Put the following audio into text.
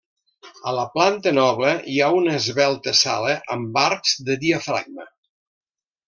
A la planta noble hi ha una esvelta sala amb arcs de diafragma.